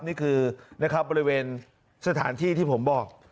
นี่คือนะครับบริเวณสถานที่ที่ผมบอก